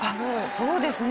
そうですね。